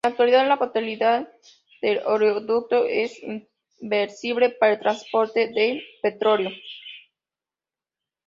En la actualidad la totalidad del oleoducto es inservible para el transporte de petróleo.